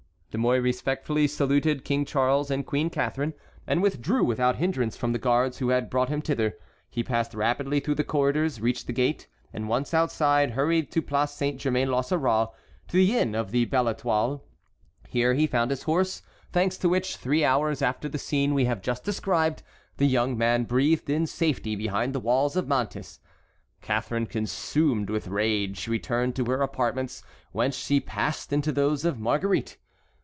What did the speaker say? De Mouy respectfully saluted King Charles and Queen Catharine, and withdrew without hindrance from the guards who had brought him thither. He passed rapidly through the corridors, reached the gate, and once outside hurried to Place Saint Germain l'Auxerrois, to the inn of the Belle Étoile. Here he found his horse, thanks to which, three hours after the scene we have just described, the young man breathed in safety behind the walls of Mantes. Catharine, consumed with rage, returned to her apartments, whence she passed into those of Marguerite.